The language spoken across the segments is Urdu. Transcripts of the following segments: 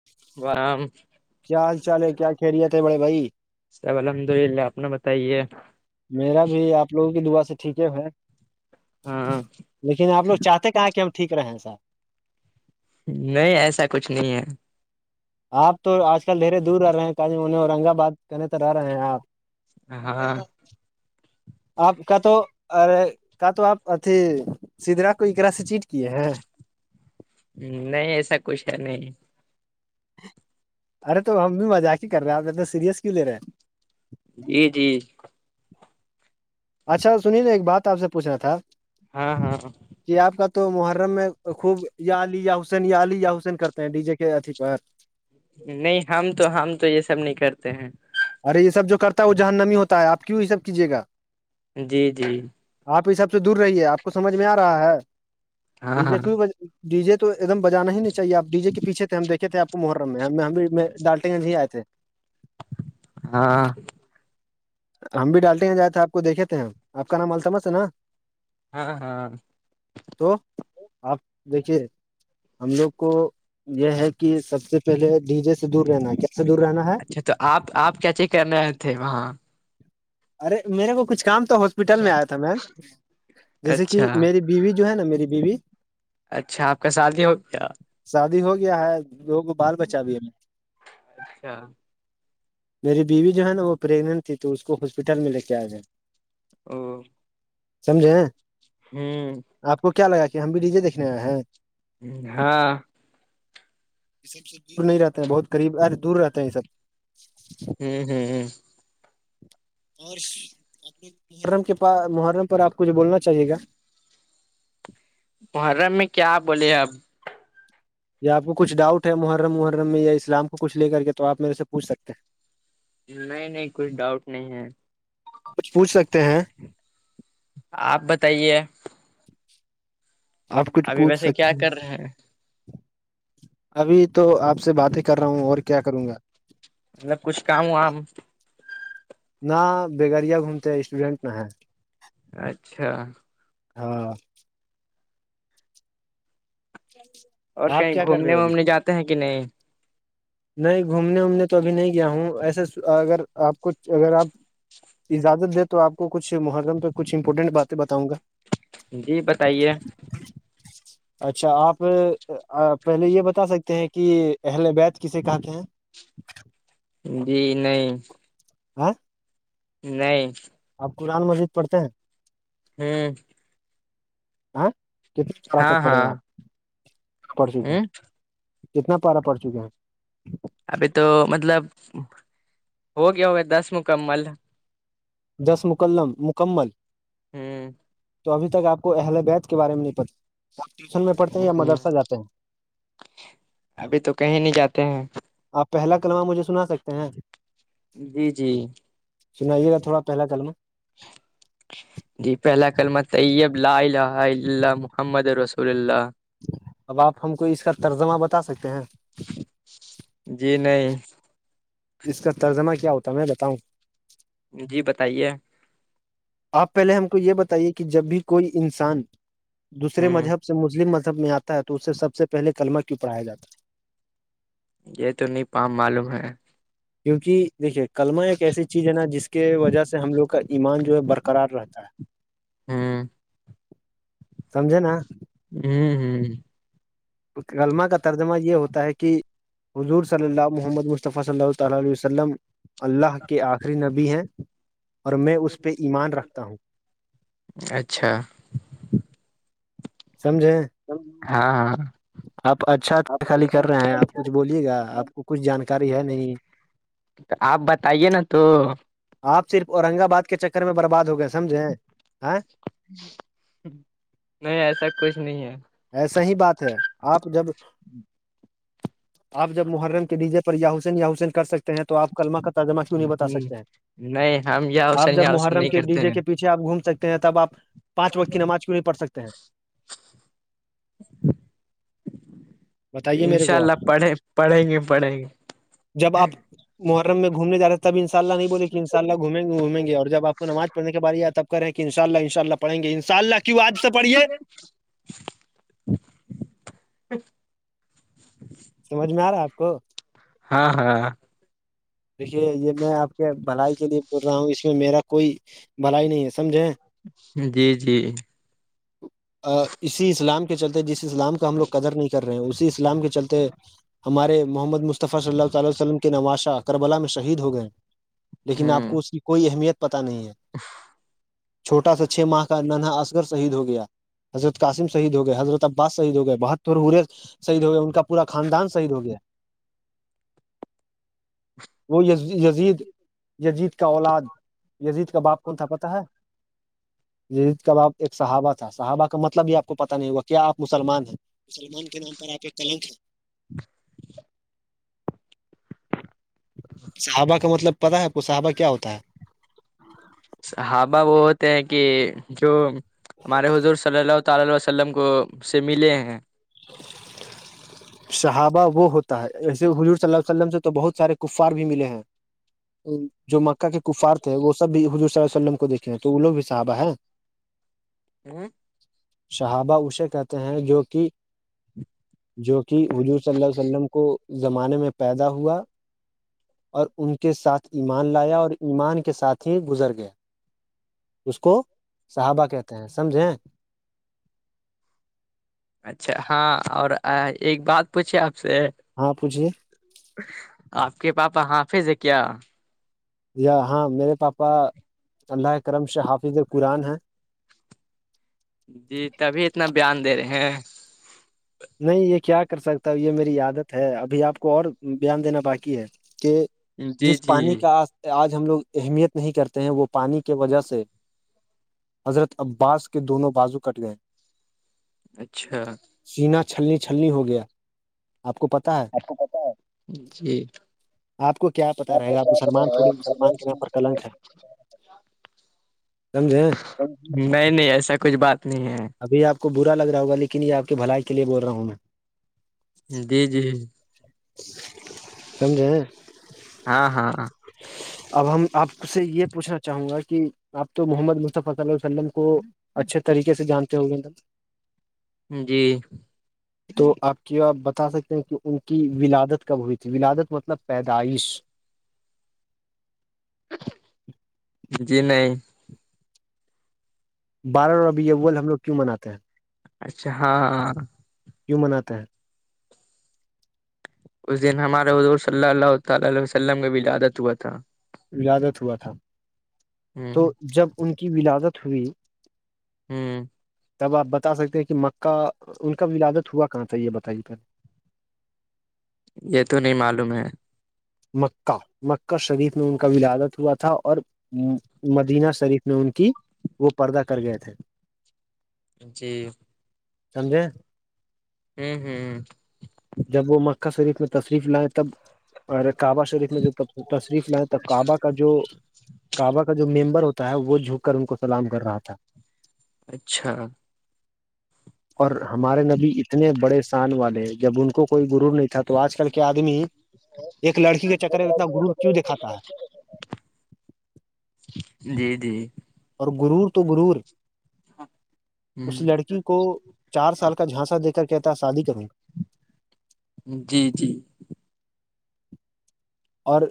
[inaudible] وہم کیا حال چال ہے کیا کھیریے تھے بڑے بھائی سر الحمد للہ آپ نے بتائیے میرا بھی آپ لوگوں کی دعا سے ٹھیکے ہے ہاں لیکن آپوگ چاہتے ہیں کہاں کہ ہم ٹھیک رہے ہیں سر نہیں ایسا کچھ نہیں ہے آپ تو آج کل دھیر دور رہے ہیں کان منے اورنگ آباد کہنے تو رہے ہیں آپ ابے ہاں میں آپ کا تو ارے کا تو آپ اھی سدرا کو اکرا سے چیٹ کیے ہیں نہیں ایسا کچھ ہے نہیں ارے تو ہم بھی مزاق ہی کر رہے ہیں آپ ا تو سیریس کیوں لے رہے ہیں جی جی اچھا سنی نا ایک بات آپ سے پوچھنا تھا ہاں ہاں ہاں کہ آپ کا تو محرم میں خوب یا علی یا حسین یا علی یاحسین کرتے ہیں ڈی جے کے اھی نہیں ہم تو ہم تو یہ سب نہیں کرتے ہیں ارے یہ سب جو کرتا ہے وہ جہن نمی ہوتا ہےپ کیوں یہ سب کیجیےا جی جی آپ اس سب سے دور رہیے آپ کو سمجھ میں آ رہا ہے ہاں ڈی جے ہاں کی ڈی جے تو ایک دم بجانا ہی نہیں چاہیےپ ڈی جے کے پیھے تھے ہم دیکھے تھےپ کو محرم میں ہم ہم بھی میں ڈالٹیں گ نہیں آئے تھے ہاں ہم بھی ڈالتے ہیں جات تھے آپ کو دیکھے تھ ہیں آپ کا نام التمس ہے نا ہاں ہاں تو آپ دیکھیے ہم لوگ کو یہ ہے کہ سب سے پہلے ڈی جے سے دور رہنا کیس دور رہنا ہے اچھا تو آپ آپ کیا چ کر رہے تھے وہاں ارے میرے کو کچھ کام تو ہاسپٹل میں آیا تھا میں جیسے کہ اچھا میری بیوی جو ہے نا میری بیوی اچھا آپ کا شادی ہو کیایا شادی ہو گیا ہے لوگوں کو بال بچا بھی ہم نے اچھا میری بیوی جو ہے نا وہ پریگنٹ تھی تو اس کو ہاسپٹل میں لے کے آ گئے او سمجھیں ہیں ہوں آپ کو کیا لگا کہ ہم بھی ڈی جے دیکنے آئے ہیں ہاں یہ سب سے دور نہیں رہتے ہیں بہت قریب آج دور رہتے ہیں یہ سب ہوں ہوں ہوں اور محرم کے پاس محرم پر آپ کوھ بولنا چاہیے گا محرم میں کیا بولیے اب یا آپ کو کچھ ڈاؤٹ ہے محرم محرم میں یا اسلام کو کچھ لے کر کے تو آپ میرے سے پوھ سکتے ہیں نہیں نہیں کچھ ڈاؤٹ نہیں ہے کچھ پوچھ سکتے ہیں آپ بتائیے آپ کچھ ابھی پوچھ ویسے سکتے کیا ہیں کر رہے ابھی تو آپ سے بات ہی کر رہا ہوں اور کیا کروں گا مطلب کچھ کام وم نہ بیگڑیا گھومتے اسٹوڈینٹ نہ ہے اچھا ہاں ج اور کہیں گھومنے وومنے جاتے ہیں کہ نہیں نہیں گھومنے وومنے تو ابھی نہیں گیا ہوں ایسے اگر آپ کچھ اگر آپ اجازت دے تو آپ کو کچھ محرم پہ کچھ امپورٹنٹ باتیں بتاؤں گا جی بتائیے اچھا آپ پہلے یہ بتا سکتے ہیں کہ اہل بیت کسے کہتے ہیں ج جی نہیں ہاں نہیں آپ قرآن مجید پڑھتے ہیں ہوں کتنی پارہ تک ہاں پڑے ہاں آپ پڑسی ہ میں کتنا پارا پڑ چکے ہیں ابھی تو مطلب ہو گیا ہو گا دس مکمل دس مکمل ہوں تو ابھی تک آپ کو اہل بیت کے بارے میں نہیں پتا س ٹیشن ابھی تو کہیں نہیں جاتے ہیں آپ پہلا کلمہ مجھے سنا سکتے ہیں جی جی سنائیے گا تھوڑا پہلا کلمہ جی پہلا کللمہ طیب لا الہ الا اللہ محمد رسول اللہ صلی اللہ علیہ وسلم اب آپ ہم کو اس کا ترجمہ بتا سکتے ہیں جی نہیں اس کا ترجمہ کیا ہوتا ہے میں بتاؤں جی بتائیے آپ پہلے ہم کو یہ بتائیے کہ جب بھی کوئی انسان دوسرے ہوں مذہب سے مسلم مذہب میں آتا ہے تو اسے سب سے پہلے کلمہ کیوں پڑھایا جاتا ہے یہ تو نہیں پم معلوم ہے کیونکہ دیکھیے کلمہ ایک ایسی چیز ہے نا جس کے وجہ سے ہم لوگ کا ایمان جو ہے برقرار رہتا ہے [inaudible] سمجھے نا ہ ہ کلمہ کا ترجمہ یہ ہوتا ہے کہ حضور صلی اللہ محمد مصطفی صلی اللہ علیہ وسلم علیہ وسلم اللہ کے آخری نبی ہیں اور میں اس پہ ایمان رکھتا ہوں اچھا سمجھیں ہاں ہاں آپ اچھا خالی کر رہے ہیں آپ کچھ بولیے گا آپ کو کچھ جانکاری ہے نہیں آپ بتائیے نا تو آپ صرف اورنگ آباد کے چکر میں برباد ہو گئے سمجھے نہیں ایسا کچھ نہیں ہے ایسا ہی بات ہے آپ جب آپ جب محرم کے ڈیجے پر یاحسن یا حسین کر سکتے ہیں تو آپ کلمہ کا ترجمہ کیوں نہیں بتا ہ سکتے ہیں نہیں ہم یا آپ حسین جب یا حسین محرم نہیں کے ڈی کرتے جے ہیں کے پیٹ آپ گھوم سکتے ہیں تب آپ پانچ وقت کی نماز کیوں نہیں پڑ سکتے ہیں بتائیے میرے انشاء کو اللہ آپ پڑھے پڑھیں گے پڑھیں گے جب آپ محرم میں گھومنے ج رہے ہیں تب انشاء اللہ نہیں بولے کہ ان شاء اللہ گھیں گے گھیں گے اور ج آپ کو نماز پڑھ کے بع آیاب کریں کہ انشء ال انشاءلہ پڑیں گے ان شاء اللہ کیوں آج سے پڑھیے ا [unintelligible] سمجھ میں آ رہا ہے آپ کو ہاں ہاں دیکھیے یہ میں آپ کے بھلائی کے لیے بول رہا ہوں اس میں میرا کوئی بھلائی نہیں ہے سمجھیں جی جی اسی اسلام کے چلتے جس اسلام کا ہم لوگ قدر نہیں کر رہے ہیں اسی اسلام کے چلتے محمد مصطفی صلی اللہ تعالی علیہ وسلم کی نماشا کربلا میں شہید ہو گئے لیکن آپ ہوں کو اس کی کوئی اہمیت پتہ نہیں ہے چھوٹا سا چھ ماہ کا ننا اصغر شہید ہو گیا حضرت قسمحہید ہو گئے حضرت عباس شہید ہو گئے بہت پ ہ رہے شہید ہو گیا ان کا پورا خاندان شہید ہو گیا [inaudible] وہ یزید یزید کا اولاد یزید کا باپ کون تھا پت ہے جید کباب ایک صحابہ تھا صحابہ کا مطلب بھی آپ کو پتا نہیں ہوگا کیا آپ مسلمان ہیں سلمان کے نام پر آپ ایک کلم تھا صحابہ کا مطلب پتاہ ہےپ کو صحابہ کیا ہوتا ہے ہاں با وہ ہوتے ہیں کہ جو ہمارے حضور صلی اللہ تع وسلم کو سے ملے ہیں شحابہ وہ ہوتا ہے ایسے حضور صلی اللہ عیہ وسلمم سے تو بہت سارے کفار بھی ملے ہیں جو مکہ کے کفارات ہے وہ سب بھی حضور صلی ال عیہ وسلم کو دیکھے ہیں تو وہ لگ بھی صحابہ ہے ہ شہابہ اے کہتے ہیں جو کہ جو کہ وجور صلی اللہ علیہ وسلم کو زمانے میں پیدا ہوا اور ان کے ساتھ ایمان لایا اور ایمان کے ساتھ ہی گزر گیا اس کو صحابہ کہتے ہیں سمجھیں اچھا ہاں اور ایک بات پوچھے آپ سے ہاں پوچھیے آپ کے پاپا حافظ ہے کیا یا ہاں میرے پاپا اللہ کرم ش حافظ ال قرآن ہیں جی تبھی اتنا بیان دے رہے ہیں نہیں یہ کیا کر سکتا ہ یہ میری عادت ہے ابھی آپ کو اور بیان دینا باقی ہے کہ جی جس پانی جی کا آج ہم لوگ اہمیت نہیں کرتے ہیں وہ پانی کی وجہ سے حضرت عباس کے دونوں بازو کٹ گئے اچھا سینا چھلنی چھلنی ہو گیا آپ کو پتا ہے اپ کو پتہ ہے جی آپ کو کیا پتا رہے گا آپ مسلمان تھوڑی مسلمان کے نام پر کلنک ہے [inaudible] سمجھے نہیں نہیں ایسا کچھ بات نہیں ہے ابھی آپ کو برا لگ رہا ہوگا لیکن یہ آ کی بھلائی کے لیے بول رہا ہوں میں جی جی سمجھے ہاں ہاں اب ہم آپ سے یہ پوچھنا چاہوں گا کہ آپ تو محمد مصطفی صلی عیہ وسلم کو اچھے طریقے سے جانتے ہو گے نا جی تو آپ کیا بتا سکتے ہیں کہ ان کی ولادت کب ہوئی تھی ولادت مطلب پیدائش جی نہیں بارہ ربیع الاول ہم لوگ کیوں مناتے ہیں اچھا ہاں کیوں مناتے ہیں اس دن ہمار حضور صلی اللہ تعی عیہ وسلم کا ولادت ہوا تھا ولادت ہوا تھا ہ تو جب ان کی ولادت ہوئی ہوں تب آپ بتا سکتے ہیں کہ مکہ ان کا ولادت ہوا کہا تھا یہ بتائیے پہلے یہ تو نہیں معلوم ہے مکہ مکہ شریف میں ان کا ولادت ہوا تھا اور مدینہ شریف میں ان کی وہ پردہ کر گئے تھے [inaudible] جی سمجے ہوں ہوں جب وہ مکہ شریف میں تشریف لائے تب اور کعبہ شریف میں تشریف لائے تب کعبہ کا جو کعبہ کا جو ممبر ہوتا تا ہے وہ جھک کر ان کو سلام کر رہا تھا اچھا اور ہمارے نبی اتنے بڑے شان والے ہیں جب ان کو کوئی گرور نہیں تھا تو آج کل کے آدمی ایک لڑکی کے چکر میں اتنا گرور کیوں دکھاتا ہے جی جی اور گرور تو گرور ہ اس لڑکی کو چار سال کا جھانسا دے کر کہتا ہے شادی کرو جی جی اور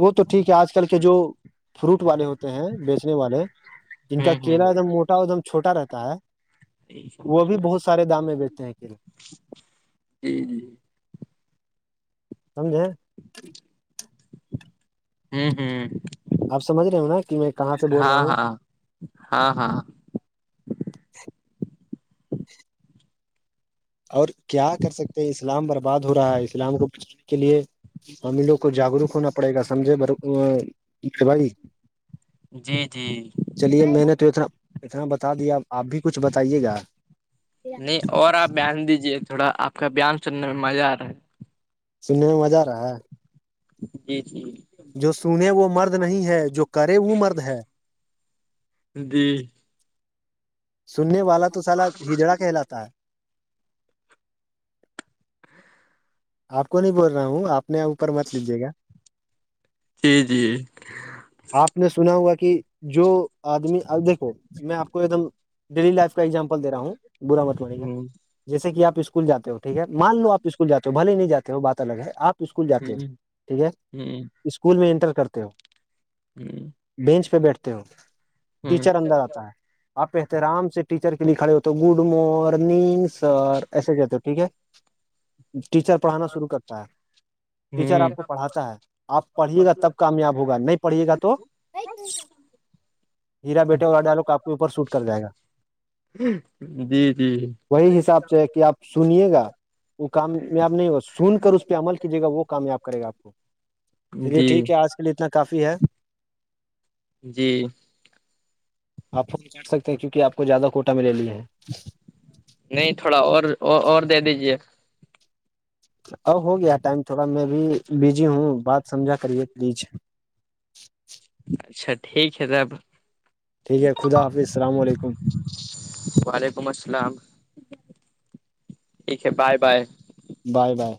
وہ تو ٹھیک ہے آج کل کے جو فروٹ والے ہوتے ہیں بیچنے والے جن ہ کا ہ کیلا ایک دم موٹا ایک دم چھوٹا رہتا ہے وہ بھی بہت سارے دام میں بیچتے ہیں جی جی سمجھے ہوں ہوں آپ سمجھ رہے ہو نا کہ میں کہاں سے بول رہا ہوں ہاں ہاں ہاں اور کیا کر سکتے ہیں اسلام برباد ہو رہا ہے اسلام کو پوچھنے کے لیے ہم ان لوگ کو جاگروک ہونا پڑے گا سمجھے بھائی جی جی چلیے میں نے تو اتنا اتنا بتا دیا آپ بھی کچھ بتائیے گا نہیں اور آپ بیان دیجیے تھوڑا آپ کا بیان سننے میں مزہ آ رہا ہے سننے میں مزہ آ رہا ہے جی جی جو سنے وہ مرد نہیں ہے جو کرے وہ مرد ہے ج سننے والا تو سالا ہجڑا کہلاتا ہے آپ کو نہیں بول رہا ہوں آپ نے اوپر مت لیجیے گا جی جی آپ نے سنا ہوگا کہ جو آدمی ابیکھو میں آپ کو ایک دم ڈیلی لائف کا ایگزامپل د رہا ہوں برا متوے کا جیسے کہ آپ اسکول جے ہو ٹھیک ہے مان لو آپ اسکولاتے ہو بل ہی نہیں جے ہو بات الگ ہے آپ اسکول جاتے ہو ٹھیک ہے اسکول میں انٹر کرتے ہو بینچ پہ بیٹھتے ہو ٹیچر اندر آتا ہے آپ کہتے آرام سے ٹیچر کے لیے کھڑے ہوتے گڈ مارننگ سر ایسے کہتے ہو ٹھیک ہے ٹیچر پڑھانا شروع کرتا ہے ٹیچر آپ کو پڑھاتا ہے آپ پڑھیے گا تب کامیاب ہوگا نہیں پڑھیے گا تو ہیرا بیٹے اور ڈلو کاپ کے اوپر سوٹ کر جائے گا جی جی وہی حساب سے ہے کہ آپ سنیے گا وہ کامیاب نہیں ہوگا سن کر اس پہ عمل کیجیے گا وہ کامیاب کرے گا آپ کو چلیے جی ٹھیک ہے آج کے اتنا کافی ہے جی آپ فون چ سکتے ہیں کیونک آپ کو زیادہ کوٹا مے لی ہے نہیں تھوڑا اور اور دے دیجیے ا ہو گیا ٹائم تھوڑا میں بھی بزی ہوں بات سمجھا کریے پلیز اچھا ٹھیک ہے تب ٹھیک ہے خد حافظسلام علیکم وعلیکم السلام ٹھیک ہے بائے بائے بائے بائے